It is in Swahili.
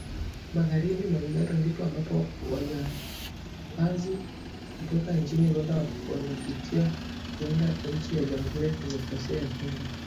Magharibi mwa Uganda ndipo ambapo wajambazi toka inchini Rwanda wanapitia kuenda inchi ya Jamuri ya kidemokrasia ya Kongo